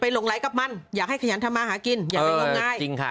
ไปหล่อกับมันอยากให้ขยันทำมาหากินเออเออน่าจริงค่ะ